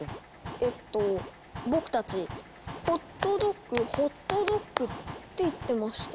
えっと僕たち「ホットドッグホットドッグ」って言ってました。